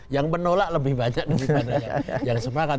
yang menolak lebih banyak daripada yang sepakat